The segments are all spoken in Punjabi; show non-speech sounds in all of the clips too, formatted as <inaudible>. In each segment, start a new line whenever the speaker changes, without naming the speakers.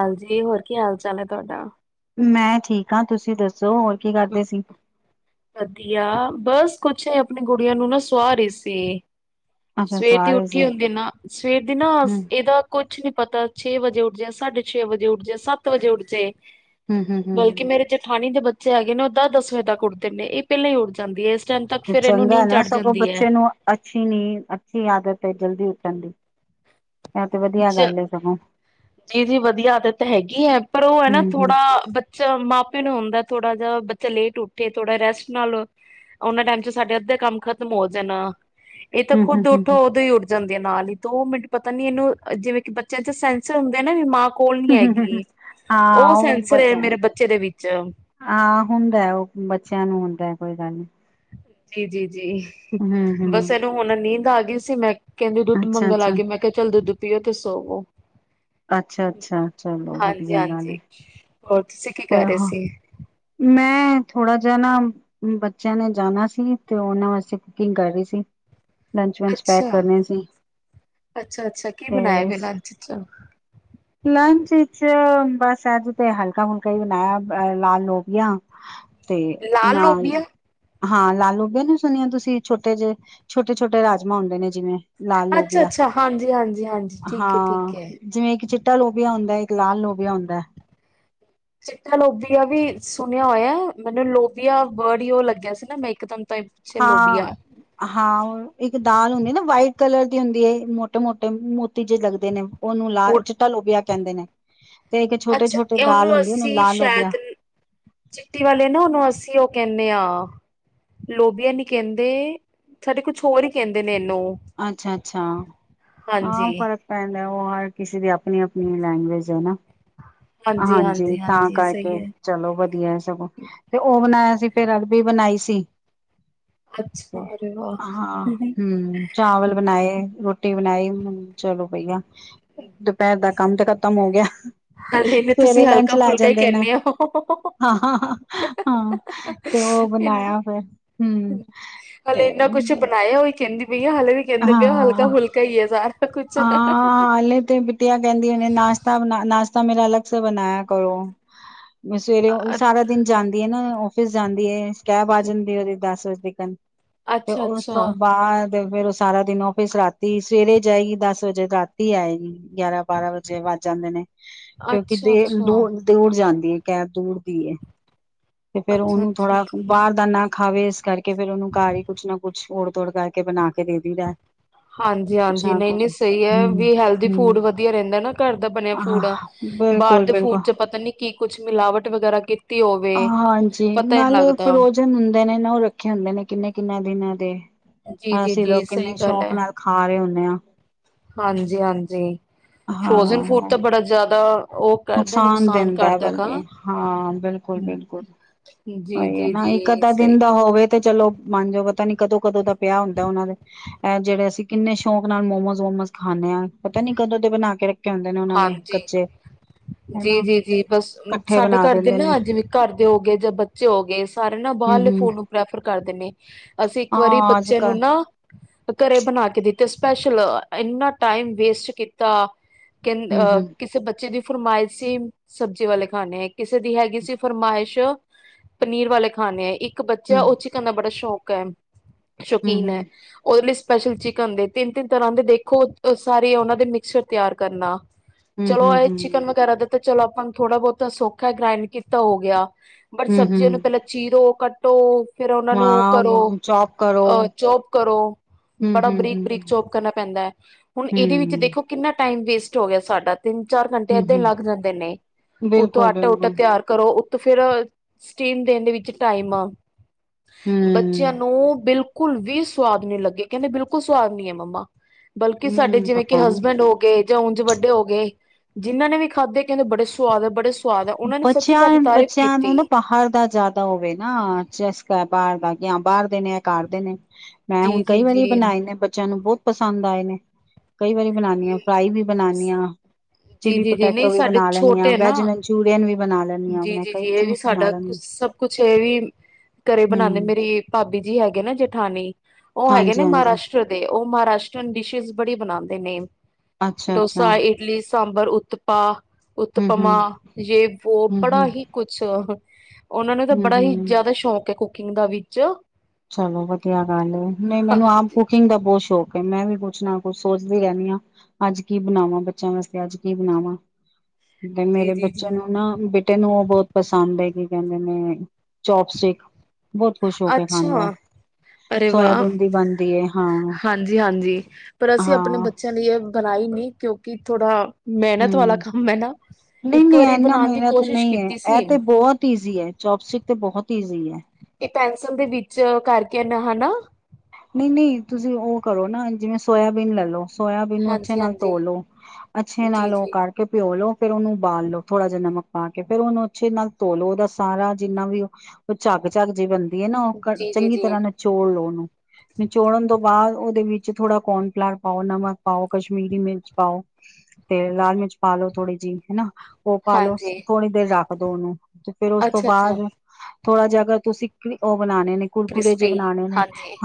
ਹਾਂਜੀ, ਹੋਰ ਕੀ ਹਾਲ- ਚਾਲ ਹੈ ਤੁਹਾਡਾ?
ਮੈਂ ਠੀਕ ਹਾਂ, ਤੁਸੀਂ ਦੱਸੋ? ਕੀ ਕਰਦੇ ਸੀ।
ਵਧੀਆ, ਬਸ ਕੁਛ ਆਪਣੀ ਗੁੜੀਆਂ ਨੂੰ ਨਾ ਸੁਆ ਰਹੀ ਸੀ।
ਅੱਛਾ
ਸਵੇਰ
ਸਵਾ
ਦੀ
ਰਹੇ ਸੀ
ਉੱਠੀ ਹੁੰਦੀ ਨਾ, ਸਵੇਰ ਦੀ ਨਾ,
ਹਮ
ਇਹਦਾ ਕੁਛ ਨੀ- ਪਤਾ ਛੇ ਵਜੇ ਉੱਠ ਜਾਏ, ਸਾਢੇ ਛੇ ਵਜੇ ਉੱਠ ਜਾਏ, ਸੱਤ ਵਜੇ ਉੱਠ ਜਾਏ-
ਹਮ ਹਮ
ਬਲਕਿ
ਹਮ
ਮੇਰੇ ਜਠਾਨੀ ਦੇ ਬੱਚੇ- ਬੱਚੇ ਹੈਗੇ ਨੇ ਓਦਾ ਦਸ ਵਜੇ ਤੱਕ ਊਠ ਨੇ ਇਹ ਪਹਿਲਾਂ ਹੀ ਉੱਠ-
ਤੇ
ਇਹਨੂੰ
ਚੰਗਾ ਹੈ
ਨੀਂਦ
ਨਾ
ਚੜ
ਸਗੋਂ
ਜਾਂਦੀ ਹੈ।
ਬੱਚੇ ਨੂੰ ਅੱਛੀ ਨੀਂਦ, ਅੱਛੀ ਆਦਤ ਹੈ ਜਲਦੀ ਉੱਠਣ ਦੀ। ਇਹ ਤੇ ਵਧੀਆ
ਚ
ਗੱਲ ਹੈ ਸਗੋਂ
ਜੀ- ਜੀ, ਵਧੀਆ ਆਦਤ ਤਾਂ ਹੈਗੀ ਹੈ। ਪਰ ਉਹ ਹੇ
ਹਮ
ਨਾ
ਹਮ
ਥੋੜਾ ਬੱਚਾ ਮਾਪੇ ਨੂੰ ਹੁੰਦਾ ਹੈ ਥੋੜਾ ਜਿਹਾ ਬੱਚਾ ਲੇਟ ਉੱਠੇ, ਥੋੜਾ ਰੈਸਟ ਨਾਲ, ਉਹਨਾਂ ਟਾਈਮ ਚ ਸਾਡੇ ਅੱਧੇ ਕੰਮ ਖਤਮ ਹੋ ਜਾਣ ਆ। ਇਹ ਤਾਂ
ਹਮ ਹਮ
ਖੁੱਦ ਉੱਠੋ,
ਹਮ
ਉਦੋਂ ਹੀ ਉੱਠ ਜਾਂਦਾ। ਦੇ ਨਾਲ ਹੀ ਦੋ ਮਿੰਟ ਪਤਾ ਨੀ ਇਹਨੂੰ। ਜਿਵੇਂ ਕਿ ਬੱਚਿਆਂ ਚ ਸੈਂਸਰ ਹੁੰਦੇ ਨੇ ਨਾ ਵੀ ਮਾ-
ਹਾਂ, ਉਹ
ਸੈਂਸਰ ਹੈ
ਬੱਚਾ ਹੇ,
ਮੇਰੇ ਬੱਚੇ ਦੇ ਵਿੱਚ
ਹਾਂ ਹੁੰਦਾ ਉਹ ਬੱਚਿਆਂ ਨੂੰ ਹੁੰਦਾ। ਕੋਈ ਗੱਲ ਨਹੀਂ।
ਜੀ, ਜੀ- ਜੀ
ਹਮ
ਬਸ
ਹਮ
ਇਹਨੂੰ ਹੁਣ ਨੀਂਦ ਆ ਗਈ- ਸੀ ਮੈਂ, ਕਹਿੰਦੀ ਦੁੱਧ
ਅੱਛਾ
ਮੰਗਣ
ਅੱਛਾ
ਆਗੀ, ਮੈਂ ਕਿਹਾ ਚੱਲ ਦੁੱਧ ਪੀਓ। ਤੇ ਸੋਵੋ।
ਅੱਛਾ-ਅੱਛਾ, ਚਲੋ
ਹਾਂਜੀ
ਵਧੀਆ ਗੱਲ
ਹਾਂਜੀ
ਹੈ।
ਹੋਰ, ਤੁਸੀਂ ਕੀ
ਤੇ
ਕਰ ਰੇ ਸੀ?
ਮੈਂ ਥੋੜ੍ਹਾ ਜਿਹਾ ਨਾ ਬੱਚਿਆਂ ਨੇ ਜਾਣਾ ਸੀ ਤੇ ਉਹਨਾਂ ਵਾਸਤੇ ਕੁਕਿੰਗ ਕਰ ਰਹੀ ਸੀ ਲੰਚ ਵੰਚ ਪੈਕ
ਅੱਛਾ
ਕਰਨੇ ਸੀ
ਅੱਛਾ ਅੱਛਾ ਕੀ
ਤੇ
ਬਣਾਇਆ ਵੇ ਲੰਚ ਚ
ਚ ਬਸ ਅਜ ਤੇ ਹਲਕਾ ਹੁਲਕਾ ਹੀ ਬਣਾਇਆ ਅ ਲਾਲ ਲੋਬ ਯਾ
ਲਾਲ ਲੋਬਿਆ
ਹਾਂ ਲਾਲ ਲੋਬੀਆ ਨੀ ਸੁਣੀਆਂ ਤੁਸੀਂ ਛੋਟੇ ਜਿਹੇ ਛੋਟੇ ਛੋਟੇ ਰਾਜਮਾਂ ਹੁੰਦੇ ਨੇ ਜਿਵੇਂ ਲਾਲ ਲੋਬੀਆ
ਅੱਛਾ-ਅੱਛਾ-ਹਾਂਜੀ-ਹਾਂਜੀ-ਹਾਂਜੀ ਠੀਕ ਹੈ
ਹਾਂ
ਠੀਕ ਹੈ
ਜਿਵੇਂ ਇੱਕ ਚਿੱਟਾ ਲੋਭਿਆ ਹੁੰਦਾ ਇੱਕ ਲਾਲ ਲੋਬਿਆ ਹੁੰਦਾ ਹੈ
ਚਿੱਟਾ ਲੋਬੀਆ ਵੀ ਸੁਣਿਆ ਹੋਇਆ ਮੈਨੂੰ ਲੋਬੀਆ ਵਰਡ ਹੀ ਉਹ ਲੱਗਿਆ ਸੀ ਨਾ ਮੈਂ ਇੱਕਦਮ ਤਾਂ ਪਿੱਛੇ ਲੋਬੀਆ
ਹਾਂ
ਹੈ
ਹਾਂ ਇੱਕ ਦਾਲ ਹੁੰਦੀ ਨਾ ਵਾਈਟ ਕਲਰ ਦੀ ਹੁੰਦੀ ਹੈ ਮੋਟੇ ਮੋਟੇ ਮੋਤੀ ਜਿਹੇ ਲੱਗਦੇ ਨੇ ਉਹਨੂੰ ਲ
ਉਹ
ਚਿੱਟਾ ਲੋਭਿਆ ਕਹਿੰਦੇ ਨੇ ਤੇ ਇੱਕ ਛੋਟੇ
ਅੱਛਾ
ਛੋਟੇ ਦਾਲ
ਉਹਨੂੰ
ਹੁੰਦੀ
ਅੱਸੀ
ਲਾਲ ਲੋਬੀਆ
ਸ਼ਾਇਦ ਚਿੱਟੀ ਵਾਲੇ ਨਾ ਉਹਨੂੰ ਅੱਸੀ ਅਸੀ ਉਹ ਕਹਿੰਦੇ ਹਾਂ ਲੋਬੀਆ ਨੀ ਕਹਿੰਦੇ ਸਾਡੇ ਕੁਛ ਹੋਰ ਹੀ ਕਹਿੰਦੇ ਨੇ ਇਹਨੂੰ
ਅੱਛਾ ਅੱਛਾ ਹਾਂ
ਹਾਂਜੀ
ਫ਼ਰਕ ਪੈਂਦਾ ਉਹ ਹਰ ਕਿਸੇ ਦੀ ਆਪਣੀ ਆਪਣੀ ਲੈਂਗੁਏਜ ਹੈ ਨਾ ਹਾਂਜੀ ਤਾਂ
ਹਾਂਜੀ
ਕਰਕੇ
ਸਹੀ ਹੈ
ਚਲੋ ਵਧੀਆ ਸਗੋਂ ਤੇ ਉਹ ਬਣਾਇਆ ਸੀ ਫਿਰ ਅ ਵੀ ਬਣਾਈ ਸੀ।
ਅੱਛਾ ਅਰੇ
ਹਾਂ
ਵਾਹ
ਹੂੰ ਚਾਵਲ ਬਣਾਏ ਰੋਟੀ ਬਣਾਈ ਹੁ ਚਲੋ ਪਈਆ ਦੁਪਹਿਰ ਦਾ ਕੰਮ ਤੇ ਖਤਮ ਹੋ ਗਿਆ।
ਹਲੇ ਨੇ
ਸਵੇਰੇ
ਤੁਸੀਂ
ਲੰਚ
ਹਲਕਾ
ਲੈ
ਫੁਲਕਾ ਹੀ
ਜਾਂਦੇ ਨਾ
ਕਹਿੰਦੇ
ਹਾਂ ਹਾਂ ਤੇ ਓ ਬਣਾਇਆ ਫੇਰ
ਹਲੇੇ ਇੰਨਾ ਕੁੱਛ ਬਣਾਇਆ ਓਈ ਕੈਂਦੀ
ਹਾਂ
ਸਾਰਾ ਕੁਛ।
ਹਾਂ ਹਲੇੇ ਤੇ ਬੀਟਿਆ ਕਹਿੰਦੀ ਆ ਨਾਸ਼ਤਾ ਬਨਾ ਨਾਸ ਤਾਂ ਮੇਰਾ ਅਲਗ ਸੇ ਬਣਾਇਆ ਕਰੋ। ਮੈਂ ਸਵੇਰੇ ਸਾਰਾ ਦਿਨ ਜਾਂਦੀ ਆ ਨਾ ਓਫਿਸ ਜਾਂਦੀ ਏ ਕੈਬ ਆ ਜਾਂਦੀ ਓਦੀ ਦਸ ਵਜ <unintelligible> ਠੀਕ ਹ ਤੇ
ਅੱਛਾ
ਉਸ ਤੋਂ
ਅੱਛਾ
ਬਾਦ ਤੇ ਫੇਰ ਉਸਦੇ ਸਾਰਾ ਦਿਨ ਆਫਿਸ ਰਾਤੀ ਸਵੇਰੇ ਜਾਏਗੀ ਦਸ ਵਜੇ ਰਾਤੀ ਆਏਗੀ ਗਿਆਰਾਂ ਬਾਰਾਂ ਵਜੇ ਵੱਜ ਜਾਂਦੇ ਨੇ ਕਿਉਂਕਿ
ਅੱਛਾ
ਦੇ
ਅੱਛਾ
ਦੂਰ-ਦੂਰ ਜਾਂ । ਦੀ ਕੈਬ ਦੂਰ ਦੀਏ । ਤੇ ਫ਼ਿਰ
ਅੱਛਾ
ਉਹਨੂੰ
ਅੱਛਾ
ਥੋੜਾ ਬਾਹਰ ਦਾ ਨ । ਖਾਵੇ ਇਸ ਕਰ । ਕੇ ਫੇਰ ਓਨੂੰ ਘਰ ਈ ਕੁਝ ਨਾ ਕੁਝ। ਤੋੜ ਕਰ ਕੇ ਬਣਾ । ਕੇ ਦੇ ਦੀ ਦਾ ।
ਹਾਂਜੀ ਹਾਂਜੀ ਨਹੀਂ ਨਹੀਂ ਸਹੀ ਐ
ਹਮ
ਵੀ ਹੈਲਦੀ ਫੂਡ
ਹਮ
ਵਧੀਆ ਰਹਿੰਦਾ ਨਾ ਘਰ ਦਾ ਬਣਿਆ ਫੂਡ
ਆਹ
ਬਾਹਰ
ਬਿਲਕੁਲ
ਦੇ ਫੂਡ
ਬਿਲਕੁਲ
ਚ ਪਤਾ ਨੀ ਕੀ ਕੁਝ ਮਿਲਾਵਟ ਵਗੈਰਾ ਕੀਤੀ ਹੋਵੇ
ਹਾਂਜੀ
ਪਤਾ ਹੀ ਨੀ
ਨਾਲੇ
ਲੱਗਦਾ।
ਫਰੋਜਨ ਹੁੰਦੇ ਤੇ ।
ਜੀ ਜੀ ।
ਸੀ ਲੋਕ ਕਿੰਨੇ ਸ਼ੌਕ ਨਾਲ ਖਾ ਰਹੇ ਹੁੰਦੇ ਆ ।
ਹਾਂਜੀ ਹਾਂਜੀ ਫਰੋਜਨ ਫੂਡ ਤਾਂ ਬੜਾ ਜਿਆਦਾ।
ਨੁਕਸਾਨ ਦਿੰਦਾ ਬਲਕਿ ਹਾਂ ਬਿਲਕੁਲ ਬਿਲਕੁਲ
ਜੀ
ਓਹੀ ਐ
ਜੀ
ਨਾ ਇੱਕ
ਜੀ
ਅੱਧਾ
ਸਹੀ
ਦਿਨ ਦਾ ਹੋਵੇ ਤੇ ਚਲੋ ਮੰਨ ਜੋ । ਪਤਾ ਨੀ ਕਦੋਂ ਕਦੋਂ ਦਾ ਪਿਆ ਹੁੰਦਾ ਉਹਨਾਂ ਦੇ ਜਿਹੜੇ ਅਸੀਂ ਕਿੰਨੇ ਸ਼ੌਕ ਨਾਲ ਮੋਮੋਜ਼ ਵੋਮੋਜ ਖਾਂਦੇ ਆ ਪਤਾ ਨੀ ਕਦੋਂ ਦੇ ਬਣਾ ਕੇ ਰ । ਕਹਿੰਦੇ ਨੇ ਉਨਾਂ ਨੇ
ਹਾਂਜੀ
ਕੱਚੇ ।
ਜੀ ਜੀ ਜੀ ਬਸ ਸਾਡੇ
ਬਣਾ
ਘਰ ਦੇ
ਦਿੰਦੇ ਨੇ
ਨਾ ਜਿਵੇਂ ਘਰ ਦੇ ਹੋਗੇ ਜਾਂ ਬੱਚੇ ਹੋਗੇ ਸਾਰੇ ਨਾ
ਹੂੰ
ਬਾਹਰਲੇ
ਹੂੰ
ਫੂਡ ਨੂੰ ਪ੍ਰੈਫਰ । ਕਰਦੇ ਨੇ। ਅਸੀਂ ਇੱਕ ਵਾਰੀ
ਹਾਂ ਅੱਜ
ਬੱਚੇ ਨੂੰ
ਕੱਲ
ਨਾ ਘਰੇ ਬਣਾ ਕੇ ਦਿੱਤੇ ਸੀ । ਸਪੈਸ਼ਲ ਇੰਨਾ ਟਾਈਮ ਵੇਸਟ ਕੀਤਾ । ਕਹ
ਹੂੰ
ਅਹ
ਹੂੰ
ਕਿਸੇ ਬੱਚੇ ਦੀ । ਫਰਮਾਇਸ਼ੀ ਸਬਜ਼ੀ ਵਾਲੇ ਖਾਣੇ । ਕਿਸੇ ਦੀ ਹੈਗੀ ਸੀ ਫਰਮਾਇਸ਼ । ਪਨੀਰ ਵਾਲੇ ਖਾਣੇ ਇੱ । ਇੱਕ ਬੱਚਾ
ਹੂੰ
ਉਹ ਚਿਕਨ ਦਾ ਬੜਾ ਸ਼ੌਕ । ਕੈਮ ।
ਹੂੰ
ਸ਼ੋਕੀਨ ਹੈ
ਹੂੰ
ਉਹ ਲਿਸ । ਸਪੈਸ਼ਲ ਚਿਕਨ ਦੇ ਤਿੰਨ ਤਿੰਨ ਤਰ੍ਹਾਂ ਦੇ ਦੇਖੋ ਸਾਰੇ ਉਹਨਾਂ ਦੇ ਮਿਕਚਰ ਤਿਆਰ । ਕਰਨਾ।
ਹੂੰ
ਚਲੋ
ਹੂੰ
ਐ ਚਿਕਨ
ਹੂੰ
ਵਗੈਰਾ ਦੇ ਤੇ । ਚਲੋ ਆਪਾਂ ਨੂੰ ਥੋੜ੍ਹਾ ਬਹੁਤਾ ਸੋਖਾ ਗ੍ਰਾਇੰਡ ਕੀਤਾ ਹੋ ਗਿਆ। ਬਟ
ਹੂੰ
ਸਬਜ਼ੀਆਂ ਨੂੰ
ਹੂੰ
ਪਹਿਲਾਂ ਚੀਰੋ ਕੱਟ । ਟੋ । ਫਿਰ ਉਹਨਾਂ ਨੂੰ ਉਹ ਕਰੋ
ਹਾਂ ਜੋਬ ਕਰੋ
ਅਹ ਚੋਪ ਕਰੋ
ਹੂੰ
ਬੜਾ
ਹੂੰ
ਬਰੀਕ
ਹੂੰ
ਬਰੀਕ ਚੋਪ ਕਰਨਾ ਪੈਂਦਾ ਐ। ਹੁਣ
ਹੂੰ
ਇਹਦੇ ਵਿੱਚ ਦੇਖੋ ਕਿੰਨਾ । ਟਾਈਮ ਵੇਸਟ ਹੋ ਗਿਆ ਸਾਡਾ- ਤਿੰਨ ਚਾਰ ਘੰਟੇ
ਹੂੰ
ਏਦਾਂ ਹੀ
ਹੂੰ
ਲੱਗ ਜਾਂਦੇ ਨੇ, ਉੱਤੋਂ
ਬਿਲਕੁਲ
ਆਟਾ ਊਟਾ
ਬਿਲਕੁਲ
ਤਿਆਰ ਕਰੋ। ਤੋਂ ਫ਼ਿਰ ਸਟੀਮ ਦੇਣ ਦੇ ਵਿੱਚ ਟਾਈਮ ਆ- ਬੱਚਿਆਂ
ਹੂੰ
ਨੂੰ ਬਿਲ- ਕੁਲ ਵੀ ਸੁਵਾਦ ਨੀ ਲੱਗੇ, ਕਹਿੰਦੇ ਬਿਲਕੁਲ ਸੁਵਾਦ ਨੀ ਆ ਮੰਮਾ। ਬਲਕਿ ਸਾਡੇ
ਹੂੰ
ਜਿਵੇਂ ਕਿ
ਪਤਾ ਨੀ
ਹਸਬੈਂਡ ਹੋ- ਜਾਂ ਉਂਝ ਵੱਡੇ ਹੋ ਗਏ, ਜਿਨ੍ਹਾਂ ਨੇ ਵੀ ਖਾਧੇ ਕਹਿੰਦੇ ਬੜੇ ਸਵਾਦ ਐ
ਬੱਚਿਆਂ ਬੱਚਿਆਂ ਨੂੰ ਨਾ ਬਾਹਰ ਦਾ ਜ਼ਿਆਦਾ ਹੋਵੇ ਨਾ ਚਸਕਾ ਬਾਹਰ ਦਾ- ਜਾਂ ਬਾਹਰ ਦੇ ਨੇ ਜਾਂ ਐ ਘਰ ਦੇ ਨੇ- ਮੈਂ
ਜੀ
ਹੁਣ ਕਈ
ਜੀ
ਵਾਰੀ
ਜੀ
ਬਣਾਏ ਨੇ ਬੱਚਿਆਂ ਨੂੰ ਬਹੁ- ਪਸੰਦ ਆਏ ਨੇ। ਕਈ ਵਾਰੀ ਬਨਾਨੀ ਆ, ਫਰਾਈ ਵੀ ਬਨਾਨੀ ਆ।
ਜੀ
ਚਿਲੀ
ਜੀ ਜੀ
ਪੋਟੈਟੋ
ਨਹੀਂ
ਵੀ
ਸਾਡੇ
ਬਣਾ ਲੈਣੀ ਆ,
ਛੋਟੇ ਨਾ
ਵੈਜ ਮੈਨੂੰ- ਛੋਟਿਆਂ ਨੂੰ ਵੀ- ਬਣਾ ਲੈਂਦੀ ਹਾਂ
ਜੀ
ਮੈਂ
ਜੀ
ਕਈ
ਜੀ ਇਹ ਵੀ
ਚੂਜ਼ ਬਣਾ
ਸਾਡਾ ਕੁ
ਲੈਂਦੀ
ਸਭ ਕੁਛ ਇਹ ਵੀ ਘਰੇ ਬਣਾਦੇ
ਹੂੰ
ਮੇਰੀ ਭਾਬੀ ਜੀ ਹੈਗੇ ਨਾ ਜੇਠਾਨੀ- ਉਹ ਹੈਗੇ
ਹਾਂਜੀ
ਨੇ
ਹਾਂਜੀ
ਮਹਾਰਾਸ਼ਟਰ ਦੇ, ਉਹ ਮਹਾਰਾਸ਼ਟਰ ਡਿਸ਼- ਡਿਸ਼ ਬੜੀ ਬਣਾਂਦੇ ਨੇ।
ਅੱਛਾ ਅੱਛਾ
ਡੋਸਾ ਇਡਲੀ ਸਾਂਬਰ ਉਤਪਾ
ਹੂੰ ਹੂੰ
ਉਤਪਮਾ ਜੇ ਉਹ
ਹੂੰ
ਬੜਾ
ਹੂੰ
ਹੀ ਕੁਛ <unintelligible> ਉਹਨਾਂ ਨੂੰ ਤਾਂ
ਹੂੰ
ਬੜਾ ਹੀ
ਹੂੰ
ਜ਼ਿਆਦਾ ਸ਼ੌਕ ਹੈ ਕੁ ਕਿੰਗ ਦਾ ਵਿੱਚ
ਚਲੋ ਵਧੀਆ ਗੱਲ ਹੈ ਨਹੀਂ ਮੈਨੂੰ ਆਮ
ਹਾਂਜੀ
ਕੁਕਿੰਗ ਦਾ ਬਹੁਤ ਸ਼ੌਕ ਮੈਂ ਵੀ ਕੁੱਛ ਨਾ ਕੁਛ ਸੋਚਦੀ ਰਹਿੰਦੀ ਹਾਂ ਅੱਜ ਕੀ ਬਣਾਵਾਂ ਬੱਚਿਆਂ ਵਾਸਤੇ ਅੱਜ ਕੀ ਬਣਾਵਾਂ।
ਜੀ
ਮੇਰੇ
ਜੀ
ਬੱਚੇ
ਜੀ
ਨੂੰ ਨਾ ਬੇਟੇ ਨੂੰ ਉਹ ਬਹੁਤ ਪਸੰਦ ਹੈ ਕਿ ਕਹਿੰਦੇ ਨੇ ਚੋਪਸਟਿਕ ਬਹੁਤ ਖੁਸ਼ ਹੋ ਕੇ ਖਾਂਦਾ,
ਅਰੇ ਵਾਹ
ਸੋਇਆਬੀਨ ਦੀ ਬਣਦੀ ਏ ਹਾਂ।
ਹਾਂਜੀ ਹਾਂਜੀ ਪਰ ਅਸੀਂ ਆਪਣੇ
ਹਾਂ,
ਬੱਚਿਆਂ ਲਈ ਇਹ ਬਣਾਈ ਨੀ। ਕਿਉਂਕਿ ਥੋੜਾ ਮਿਹਨਤ ਵਾਲਾ
ਹੂੰ
ਕੰਮ ਹੈ ਨਾ
ਨਹੀਂ
ਇੱਕ
ਨਹੀਂ
ਵਾਰੀ
ਇਨਾ
ਬਣਾਉਣ ਦੀ
ਮਿਹਨਤ
ਕੋਸ਼ਿਸ਼
ਨਹੀਂ ਹੈ
ਕੀਤੀ ਸੀ
ਇਹ ਤੇ ਬਹੁਤ ਈਜ਼ੀ ਹੈ ਚੌਪਸਿਕ ਬਹੁਤ ਈਜ਼ੀ ਹੈ।
ਇਹ ਪੈਨਸਿਲ ਦੇ ਵਿੱਚ ਕਰਕੇ ਹਨਾ।
ਨਹੀਂ ਨਹੀਂ ਤੁਸੀਂ ਉਹ ਕਰੋ ਨਾ ਜਿਵੇਂ ਸੋਇਆਬੀਨ ਲੈ ਲੋ ਸੋਇਆਬੀਨ ਨੂੰ ਅੱਛੇ
ਹਾਂਜੀ
ਨਾਲ
ਹਾਂਜੀ
ਧੋ ਲੋ ਅੱਛੇ
ਜੀ
ਨਾਲ ਉਹ
ਜੀ
ਕਰਕੇ ਪਿਓ ਲੋ ਫ਼ੇਰ ਉਹਨੂੰ ਉਬਾਲ ਲੋੋ ਥੋੜਾ ਜਿਹਾ ਨਮਕ ਪਾ ਕੇ ਫ਼ਿਰ ਉਹਨੂੰ ਅੱਛੇ ਨਾਲ ਧੋਲੋ ਉਹਦਾ ਸਾਰਾ ਜਿੰਨਾ ਵੀ ਉਹ ਝੱਗ ਝੱ ਜੇ ਬ ਨਾ ਉਹ
ਜੀ ਜੀ
ਚੰਗੀ
ਜੀ
ਤਰ੍ਹਾਂ ਨਾਲ ਚੋੜ ਲਓ ਉਹਨੂੰ ਨਿਚੋੜਨ ਤੋਂ ਬਾਅਦ ਉਹਦੇ ਵਿੱਚ ਥੋੜਾ ਕੋਨਫਲਾਰ ਪਾਓ ਨਮਕ ਪਾਓ ਕਸ਼ਮੀਰੀ ਮਿਰਚ ਪਾਓ ਤੇ ਲਾਲ ਮਿਰਚ ਪਾ ਲਓ ਥੋੜੀ ਜਿਹੀ ਹਨਾ। ਉਹ ਪਾਾਲੋ
ਹਾਂਜੀ
ਥੋੜਣੀ ਦੇਰ ਰਖ ਕਦੋ ਨੂੰ? ਤੇ ਫੇਰ ਉਸ ਤੋਂ
ਅੱਛਾ ਅੱਛਾ
ਬਾਅਦ ਥੋੜਾ ਜ ਤੁਸੀਂ ਬਣਾਉਣੇ ਨੇ ਕੁੜਕੁੜੇ ਜੇ
ਕ੍ਰਿਸਪੀ
ਬਣਾਉਣੇ ਨੇ
ਹਾਂਜੀ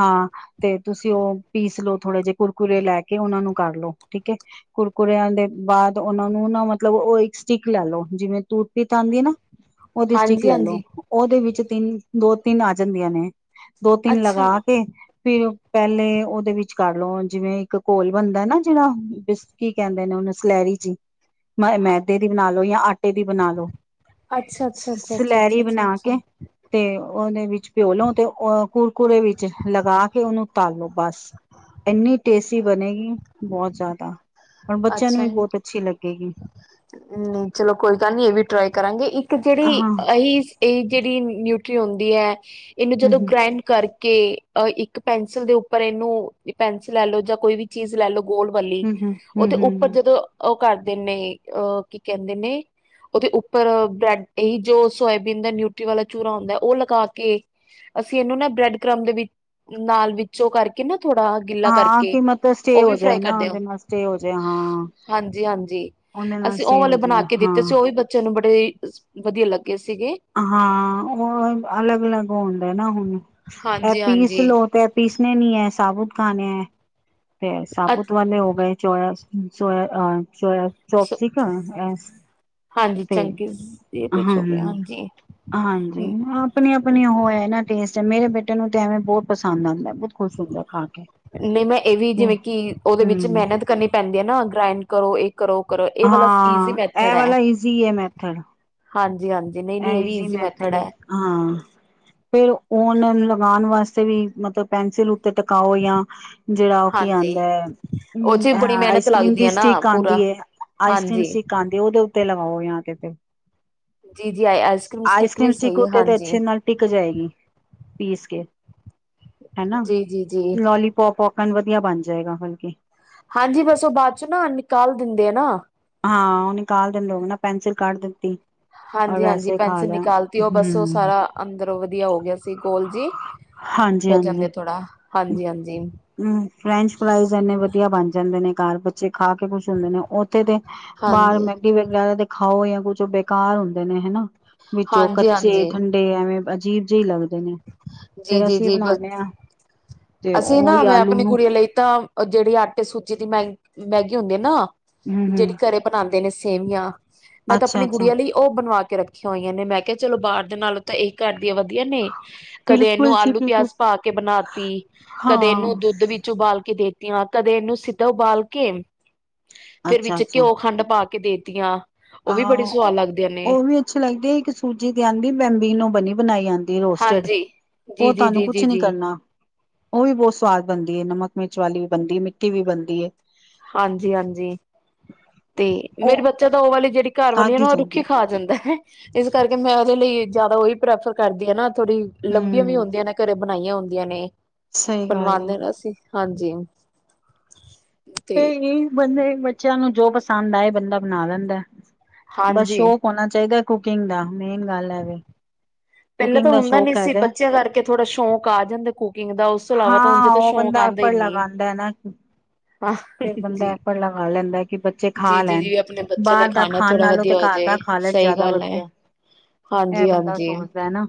ਤੇ ਤੁਸੀਂ ਉਹ ਪੀਸ ਲੋਓ ਥੋੜੇ ਜਿਹੇ ਕੁਰਕੁਰਰੇੇ ਲੈ ਕੇ ਉਹਨਾ ਨੂੰ ਕਰ ਲੋ ਠੀਕ ਹੈ ਕੁਰਕੁਰਿਆਂ ਦੇ ਬਾਅਦ ਉਹਨਾ ਨੂੰ ਨਾ ਮਤਲਬ ਉਹ ਇੱਕ ਸਟਿੱਕ ਲੈ ਲਓ ਜਿਵੇਂ ਤੂਟ ਪੀਤ ਆਉਂਦੀ ਹੈ ਨਾ ਉਹਦੀ ਸਟਿਕ
ਹਾਂਜੀ
ਲੈ ਲਓ
ਹਾਂਜੀ
ਉਹਦੇ ਵਿੱਚ ਤਿੰਨ ਦੋ ਤਿੰਨ ਆ ਜਾਂਦੀਆਂ ਨੇ ਦੋ ਤਿੰਨ
ਅੱਛਾ
ਲਗਾ ਕੇ ਫਿਰ ਪਹਿਲੇ ਉਹਦੇ ਵਿੱਚ ਕਰ ਲਓ ਜਿਵੇਂ ਇੱਕ ਘੋਲ ਬਣਦਾ ਨਾ ਜਿਹੜਾ ਬਿਸ ਕੀ ਕਹਿੰਦੇ ਨੇ ਉਹਨ ਸਲੈਰੀ ਚ ਮ ਮੈਦੇ ਦੀ ਬਣਾ ਲਓ ਜਾਂ ਆਟੇ ਦੀ ਬਣਾ ਲੋ।
ਅੱਛਾ ਅੱਛਾ
ਸਲੈਰੀ ਬਣਾ
ਅੱਛਾ
ਕੇ
ਅ।
ਤੇ ਉਹਦੇ ਵਿੱਚ ਪਿਓਲੋ ਤੇ ਅ ਕੁਰਕੁਰੇ ਵਿੱਚ ਲਗਾ ਕੇ ਉਹਨੂੰ ਤਾਲੋ ਬਸ ਇੰਨੀ ਟੇਸਟੀ ਬਣੇਗੀ ਬਹੁਤ ਜ਼ਿਆਦਾ ਔਰ ਬੱਚਿਆਂ ਨੂੰ
ਅੱਛਾ
ਵੀ
ਜੀ
ਬਹੁਤ ਅੱਛੀ ਲੱਗੇਗੀ
ਨਹੀਂ ਚਲੋ ਕੋਈ ਗੱਲ ਨੀ ਇਹ ਵੀ ਟਰਾਈ ਕਰਾਂਗੇ ਇੱਕ ਜਿਹੜੀ
ਹਾਂ ਹੂੰ
ਇਹੀ ਇਹ ਜਿਹੜੀ ਨਿ- ਟੀ ਹੁੰਦੀ ਹੈ। ਇਹਨੂੰ
ਹੂੰ
ਜਦੋਂ
ਹੂੰ
ਗ੍ਰੈਂਡ ਕਰਕੇ ਅ ਇੱਕ ਪੈਨਸਿਲ ਦੇ ਉੱਪਰ ਇਹਨੂੰ ਪੈਨਸਿਲ ਲੈ ਲਓ ਜਾਂ ਕੋਈ ਵੀ ਚੀਜ਼ ਲੈ ਲਓ ਗੋਲ ਵਾਲੀ
ਹੂੰ ਹੂੰ
ਉਹਦੇ ਉੱਪਰ
ਹੂੰ
ਜਦੋਂ ਕਰਦੇ ਨੇ ਅਹ ਕੀ ਕਹਿੰਦੇ ਨੇ ਉਹਦੇ ਉੱਪਰ ਬ੍ਰੈਡ ਇਹੀ ਜੋ ਸੋਇਬੀਨ ਦਾ ਨਿਊਟਰੀ ਵਾਲਾ ਚੂਰਾ ਹੁੰਦਾ ਉਹ ਲਗਾ ਕੇ ਅਸੀਂ ਇਹਨੂੰ ਨਾ ਬ੍ਰੈਡ ਕ੍ਰਮ ਦੇ ਵਿੱਚ ਨਾਲ ਵਿੱਚੋ ਕਰਕੇ ਨਾ ਥੋੜਾ ਗਿੱਲਾ
ਹਾਂ
ਕਰਕੇ
ਕਿ ਮਤਲਬ ਸਟੇਅ
ਉਹ
ਹੋ
ਵੀ
ਜਾਏ
ਫਰਾਈ
ਨਾ
ਕਰਦੇ ਹੋ
ਉਹਦੇ ਮਸ
ਹਾਂਜੀ ਹਾਂਜੀ
ਉਹਦੇ ਨਾਲ
ਅਸੀਂ ਉਹ
ਸਟੇ
ਵਾਲੇ
ਹੋ
ਬਣਾ
ਜਾਏ
ਕੇ ਦਿੱਤੇ ਸੀ ਉਹ
ਹਾਂ
ਵੀ ਬੱਚੇ, ਬੜੇ ਵਧੀਆ ਲੱਗ,
ਹਾਂ ਉਹ ਅਲੱਗ ਅਲੱਗ ਹੁੰਦਾ ਨਾ ਹੁਣ
ਹਾਂਜੀ
ਐਪੀਸ
ਹਾਂਜੀ
ਲਓ ਤੇ ਐਪੀਸ ਨੇ, ਨ ਹੈ ਸਾਬੂਤ ਖਾਣੇ ਹੈ, ਫ ਸਾਬੂਤ ਵਾਲੇ ਹੋ ਗਏ। ਚੋਇ ਸੋਇ ਅ ਚੌਪ ਚੌਪ
ਅੱਛਾ
ਸੀਕ ਐ
ਹਾਂਜੀ
ਤੇ
ਚੰਕੀਜ਼ ਇਹ ਕੁਛ
ਹਾਂ,
ਹੋ ਗਿਆ
ਹੂੰ
ਹਾਂਜੀ
ਹਾਂਜੀ ਆਪਣੀ -ਆਪਣੀ ਉਹ ਹੈ ਨਾ ਟੇਸਟ ਤੇ ਮੇਰੇ ਬੇਟੇ ਨੂੰ ਤੇ ਐਵੇਂ ਬਹੁਤ ਪਸੰਦ ਆਂਦਾ।
ਨਹੀਂ ਮੈਂ ਇਹ ਵੀ ਜਿਵੇਂ ਕਿ ਉਹਦੇ ਵਿੱਚ
ਹਮ
ਮਿਹਨਤ ਕਰਨੀ ਪੈਂਦੀ। ਨਾ ਗ੍ਰੈਂਡ ਕਰੋ ਇੱਕ
ਹਾਂ ਇਹ ਵਾਲਾ ਈਜ਼ੀ ਹੈ ਮੈਥਡ
ਹਾਂਜੀ, ਹਾਂਜੀ ਨਹੀਂ ਨਹੀਂ
ਇਹ
ਵੀ
ਇਜ਼ੀ
ਈਜ਼ੀ
ਮੈਥਡ
ਹੈ
ਹਾਂ, ਫਿਰ ਉਹਨਾਂ ਨੂੰ ਲਗਾਣ ਵਾਸਤੇ ਕਿਸੇ ਵੀ ਮਤਲਬ ਪੈਨਸਿਲ ਉੱਤੇ ਟਕਾਓ ਜਾਂ ਜਿਹੜਾ ਉਹ ਕੀ
ਹਾਂਜੀ
ਆਂਦਾ ਹੈ
ਉਹ ਚ ਵੀ ਬੜੀ ਮਿਹਨਤ
ਆਈਸ ਕਰ੍ਰੀਮ
ਲੱਗਦੀ
ਦੀ
ਹੈ ਨਾ
ਸਟਿਕ
ਪੂਰਾ
ਆਂਦੀ ਹੈ ਆਈਸਕ੍ਰੀਮ
ਹਾਂਜੀ
ਸਟਿਕ ਆਂਦੀ ਹੈ ਉਹਦੇ ਉੱਤੇ ਲਵਾਓ ਜਾਂ ਕਿਤੇ
ਜੀ ਜੀ ਆਈਸ
ਆਈਸ
ਵੀ
ਕਰ੍ਰੀਮ ਸਟਿਕ
ਸਹੀ ਹੈ
ਉੱਤੇ ਤੇ
ਹਾਂਜੀ
ਅੱਛੇ ਨਾਲ ਟਿਕ ਜਾਏਗੀ। ਪੀਸ ਕੇ ਹਨਾ
ਜੀ ਜੀ ਜੀ
ਲੋਲੀ ਪੋਪ ਨ ਵਧੀਆ ਬਣ ਜਾਏਗਾ ਹਲਕਿ
ਹਾਂਜੀ ਬਸ ਉਹ ਬਾਅਦ ਚ ਨਾ ਨਿਕਾਲ ਦਿੰਦੇ ਆ ਨਾ।
ਹਾਂ ਉਹਨੀ ਔਰ
ਹਾਂਜੀ-ਹਾਂਜੀ,
ਵੈਸੇ ਖਾ
ਪੈਨਸਿਲ
ਲਿਆ
ਨਿਕਾਲਤੀ, ਉਹ ਬਸ ਉਹ
ਹਮ
ਸਾਰਾ ਅੰਦਰ ਵਧੀਆ ਹੋ ਗਿਆ ਸੀ ਗੋਲ ਜੀ ਹੋ ਜਾਂਦੇ ਥੋੜਾ ਹਾਂਜੀ-ਹਾਂਜੀ,
ਹੂੰ, ਫਰੈਂਚ ਫਰਾਈਜ਼ ਇਨੇ ਵਧੀਆ ਬਣਜਾ- ਕਹਿੰਦੇ ਨੇ ਘਰ ਬੱਚੇ ਖਾ ਕੇ ਖੁਸ਼ ਹੁੰਦੇ ਨੇ ਉੱਥੇ ਤੇ ਬਾਹਰ
ਹਾਂਜੀ,
ਮੈਗੀ ਵਗੈਰਾ ਤੇ ਖਾਓ ਜਾਂ ਉਹ ਚੋ ਬੇਕਾਰ ਹੁੰਦੇ ਨੇ, ਹੈਨਾ। ਵਿੱਚੋਂ
ਹਾਂਜੀ-ਹਾਂਜੀ।
ਕੱਚੇ-ਠੰਡੇ ਐਵੇਂ ਬੱਚ ਅਜੀਬ ਜੇ ਈ ਲੱਗ ਦੇ ਨੇ, ਫੇਰ ਅਸੀਂ
ਜੀ-ਜੀ-ਜੀ ਬਸ
ਬਣਾਨੇ ਆ।
ਅਸੀਂ ਨਾ ਮੈਂ ਆਪਣੀ ਗੁਡੀਆ ਲਈ ਤਾਂ ਉਹ ਜਿਹੜੀ ਆਟੇ ਸੂਚੀ ਦੀ ਮੈ-ਮੈਗੀ ਹੁੰਦੀ ਹੈ ਨਾ
ਹਮ
ਜਿਹੜੀ
ਹਮ
ਘਰੇ ਬਣਾਦੇ ਨੇ ਸੀ ਸੇਵੀਆਂ ਮੈਂ ਤਾਂ
ਅੱਛਾ
ਆਪਣੇ
ਅੱਛਾ
ਗੁਡੀਆਂ ਲਈ ਉਹ ਬਣਵਾ ਕੇ ਕੇ ਰੱਖੀਆਂ ਹੋਈਆਂ ਨੇ ਮੈਂ ਕਿਹਾ ਚਲੋ ਬਾਹਰ ਦੇ ਨਾਲੋਂ ਤਾਂ ਇਹ ਘਰ ਵਧੀਆ-ਵਧੀਆ ਨੇ ਕਦੇ ਇਹਨੂੰ
ਬਿਲਕੁਲ ਜੀ
ਆਲੂ -ਪਿਆਜ
ਬਿਲਕੁਲ
ਪਾ ਕੇ ਬਣਾ ਤੀ।
ਹਾਂ
ਕਦੇ ਇਹਨੂੰ ਦੁੱਧ ਵਿੱਚ ਉਬਾਲ ਕੇ ਦੇਖਤੀਆ, ਕਦੇ ਇਹਨੂੰ ਸੀਧਾ ਉਬਾਲ ਕੇ ਫਿਰ ਵਿੱਚ ਘਿਓ-ਖੰਡ ਪਾ ਕੇ ਕੇ ਦੇਤੀਆਂ। ਉਹ ਵੀ ਬੜੀ
ਆਹੋ,
ਸਵਾਦ ਲੱਗਦੀਆਂ ਨੇ
ਉਹ ਵੀ ਅੱਛੀ ਲੱਗਦੀ ਹੈ। ਇੱਕ ਸੂਜੀ ਦੇ ਆਂਦੀ ਬੈਂਬੀਨੋ, ਬਣੀ ਬਣਾਈ ਆਉਂਦੀ। ਦੀ ਰੋਸਟਡ।
ਹਾਂਜੀ
ਉਹ
ਜੀ ਜੀ
ਤੁਹਾਨੂੰ
ਜੀ
ਕੁਛ
ਜੀ
ਨੀ
ਜੀ
ਕਰਨਾ। ਉਹ ਵੀ ਬਹੁਤ ਸਵਾਦ ਬਣਦੀ ਹੈ। ਨਮਕ-ਮਿਰਚ ਵਾਲੀ ਵੀ ਬਣਦੀ ਹੈ। ਮਿੱਠੀ ਵੀ ਬਣਦੀ ਏ।
ਹਾਂਜੀ-ਹਾਂਜੀ ਤੇ ਮੇਰਾ
ਉਹ
ਬੱਚਾ ਤਾਂ ਉਹ ਵਾਲੀ ਜਿਹੜੀ ਘਰ ਵਾਲੀਆਂ
ਖਾਦੀ
ਨੂੰ ਉਹ ਰੁੱਖੀ
ਜਾਂਦੀ
ਖਾ ਜਾਣ। ਆਹਾ, ਇਸ ਕਰਕੇ ਮੈਂ ਉਹਦੇ ਲਈ, ਜ਼ਿਆਦਾ ਉਹੀ ਪ੍ਰੈਫਰ ਕਰਦੀ ਹਾਂ ਨਾ। ਥੋੜ੍ਹੀ ਲੰਬੀਆਂ ਵੀ
ਹਮ
ਹੁੰਦੀਆਂ ਨੇ ਘਰੇ ਬਣਾਈਆਂ ਹੋਣ। ਹੁੰਦੀਆਂ ਨੇ।
ਸਹੀ
ਬਣਵਾ
ਗੱਲ ਹੈ
ਦੇਣਾ ਸੀ, ਹਾਂਜੀ। <unintelligible>
ਏਹੀ ਨੀ ਬਨੇ ਬੱਚਿਆਂ ਨੂੰ ਜੋ ਪਸੰਦ ਆਏ, ਬੰਦਾ ਬਣਾ ਲੈਂਦਾ। ਬਸ
ਹਾਂਜੀ
ਸ਼ੌਕ ਹੋਣਾ ਚਾਹੀਦਾ। ਕੁਕਿੰਗ ਦਾ, ਮੇਨ ਗੱਲ ਹੈ ਵੀ।
ਪਹਿਲਾਂ ਤਾਂ ਹੁੰਦਾ ਨੀ ਸੀ ਬੱਚਿਆਂ ਕਰਕੇ ਥੋੜ੍ਹਾ ਸ਼ੌਕ ਆ ਜਾਂਦਾ ਕੁਕਿੰਗ ਦਾ ਉਸ ਤੋਂ ਇਲਾਵਾ ਤਾਂ ਉਝ
ਹਾਂ
ਤਾਂ
ਉਹ
ਸ਼ੌਂਕ ਆਉਂਦਾ ਨੀ। ਹਾਂ
ਫੇਰ ਬੰਦਾ
ਜੀ
ਐਫੇਟ ਲਗਾ ਲੈਂਦਾ। ਕਿ ਬੱਚੇ ਖਾ
ਜੀ ਜੀ
ਲੈਣ
ਜੀ ਆਪਣੇ ਬੱਚੇ ਲਈ
ਬਾਹਰ ਦਾ
ਖਾਣਾ
ਖਾਣ
ਥੋੜਾ
ਨਾਲੋਂ ਤੇ
ਵਧੀਆ ਹੋ
ਘਰ
ਜੇ
ਦਾ ਖਾ ਲੈਣ
ਸਹੀ
ਜ਼ਿਆਦਾ
ਗੱਲ ਹੈ
ਵਧੀਆ ਇਹ
ਹਾਂਜੀ
ਬੰਦਾ ਸੋਚਦਾ ਹੈ ਨਾ।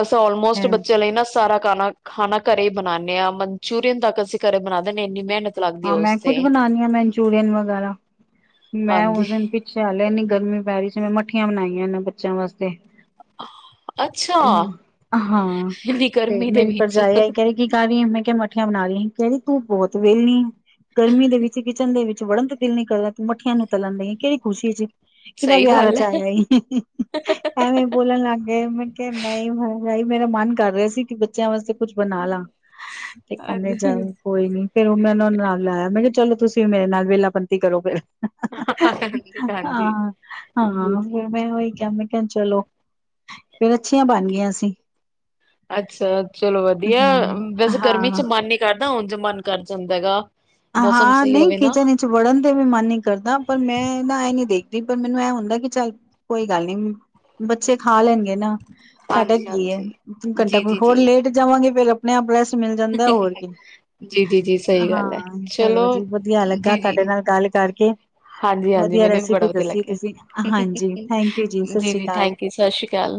ਅਸਾਂ ਆਲਮੋਸਟ ਬੱਚਿਆਂ ਲਈ ਨਾ ਸਾਰਾ ਘਰ। ਖਾਣਾ ਖਾਣਾ ਘਰੇ ਹੀ ਬਣਾਉਂਦੇ ਹਾਂ ਮਨਚੂਰੀਅਨ ਤੱਕ ਅਸੀਂ ਘਰੇ ਬਣਾ ਦਿੰਦੇ ਇੰਨੀ ਮਿਹਨਤ। ਲੱਗਦੀ ਹੈ
ਹਾਂ
ਉਸ
ਮੈਂ
ਤੇ
ਖੁਦ ਬਣਾਉਣਾ ਹਾਂ ਮੈਨਚੂਰੀਅਨ ਵਗੈਰਾ ਮੈਂ
ਹਾਂਜੀ
ਉਸ ਦਿਨ ਪਿੱਛੇ ਹਲੇ ਐਨੀ ਗਰਮੀ ਪੈ ਰਹੀ ਸੀ। ਜਿਵੇਂ ਮੱਠੀਆਂ ਬਣਾਈਆਂ ਇਹਨਾਂ ਬੱਚਿਆਂ ਵਾਸਤੇ।
ਅੱਛਾ
ਹੂੰ ਹਾਂ
ਇੰਨੀ
ਤੇ
ਗਰਮੀ ਦੇ
ਮੇਰੀ
ਵਿੱਚ
ਭਰਜਾਈ ਆਈ ਕਹਿੰਦੀ ਕੀ ਕਰ ਰਹੀ ਮੈਂ ਕਿਹਾ । ਮੱਠੀਆ ਬਣਾ ਲਈ ਕਹਿੰਦੀ ਤੂੰ ਬਹੁਤ ਵਿਹਲੀ ਏ । ਗਰਮੀ ਦੇ ਵਿੱਚ ਕਿਚਨ ਦੇ ਵਿੱਚ। ਚ ਵੜਨ ਤੇ ਦਿਲ ਨੀ ਕਰਦਾ ਤੂੰ ਮੱਠੀਆਂ ਨੂੰ ਤਲਣ ਦੀਆਂ ਕਿਹੜੀ ਖੁਸ਼ੀ ਚ। ਕਿਦਾ
ਸਹੀ
ਵਿਆਹ
ਗੱਲ ਹੈ
ਰਚਿਆ ਈ ਐਵੇਂ ਬੋਲਣ ਲੱਗ ਗਏ ਮੈਂ ਕਿਹਾ ਮੈਂ ਹੀ। ਮੇਰਾ ਮਨ ਕਰ ਰਿਹਾ ਸੀ ਕਿ ਬੱਚਿਆਂ ਵਾਸਤੇ? ਕੁਛ ਬਣਾ ਲਾ ਤੇ ਕਹਿੰਦੇ
ਹਾਂਜੀ
ਚੱਲ ਕੋਈ ਨੀ ਫੇਰ ਉਹ ਮੈਂ । ਲਾਇਆ ਮੈਂ ਕਿਹਾ ਚਲੋ ਤੁਸੀਂ ਵੀ ਮੇਰੇ ਨਾਲ ਵਿਹਲਾਪਤੀ ਕਰੋ ਫਿਰ।
ਹਾਂਜੀ
ਹਾਂ
ਜੀ
ਹਾਂ ਫਿਰ ਮੈਂ ਉਹੀ ਕਿਹਾ ਮੈਂ ਕਿਹਾ ਚਲੋ। ਫੇਰ ਅੱਛੀਆਂ ਬਣ
ਠੀਕ
ਗਈਆਂ ਸੀ।
ਅੱਛਾ ਚਲੋ ਵਧੀਆ
ਹੂੰ,
ਵੈਸੇ ਗਰਮੀ ਚ
ਹਾਂ।
ਮਨ ਨਹੀਂ ਕਰਦਾ। ਕਰਦਾ ਉਝ ਮਨ ਕਰ ਜਾਂਦਾ ਹੈ ਗਾ।
ਹਾਂ ਨਹੀਂ ਕਿਚਨ ਵਿੱਚ ਵੜਨ ਤੇ ਵੀ ਮਨ ਹੀ ਕਰਦਾ ਪਰ ਮੈਂ ਨਾ ਐ ਨੀ ਦੇਖਦੀ। ਪਰ ਮੈਨੂੰ ਇਹ ਹੁੰਦਾ ਕਿ ਚੱਲ ਕੋਈ ਗੱਲ ਨੀ ਬੱਚੇ ਖਾ ਲੈਣਗੇ ਨਾ। ਸਾਡਾ
ਹਾਂਜੀ
ਕੀ ਹੈ
ਹਾਂਜੀ
ਘੰਟਾ
ਜੀ ਜੀ
ਹੋਰ
ਜੀ
ਲੇਟ ਜਾਵਾਂਗੇ ਫੇਰ। ਨੇਹਾ ਪਲੱਸ।
ਜੀ ਜੀ ਜੀ ਸਹੀ ਗੱਲ ਹੈ।
ਹਾਂ, ਚਲੋ ਜੀ ਵਧੀਆ ਲੱਗਾ
ਜੀ ਜੀ
ਤੁਹਾਡੇ ਨਾਲ ਗੱਲ ਕਰਕੇ
ਹਾਂਜੀ ਹਾਂਜੀ
ਵਧੀਆ
ਮੈਨੂੰ ਵੀ ਬੜਾ
ਰੈਸਪੀ
ਵਧੀਆ
ਦੱਸੀ ਤੁਸੀਂ ਹਾਂਜੀ
ਲੱਗਿਆ
ਥੈਂਕ ਯੂ ਜੀ ਸਤਿ ਸ੍ਰੀ ਅਕਾਲ।
ਥੈਂਕ ਯੂ ਸਤਿ ਸ਼੍ਰੀ ਅਕਾਲ